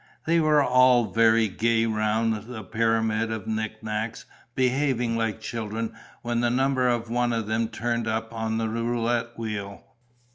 They were all very gay round the pyramid of knickknacks, behaving like children when the number of one of them turned up on the roulette wheel.